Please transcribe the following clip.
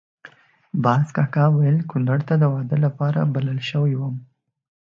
باز کاکا ویل کونړ ته د واده لپاره بلل شوی وم.